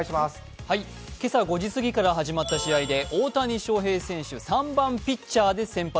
今朝５時すぎから始まった試合で大谷翔平選手３番・ピッチャーで先発。